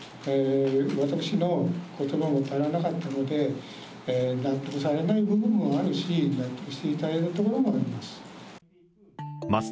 私のことばも足らなかったので、納得されない部分もあるし、納得していただいたところもあります。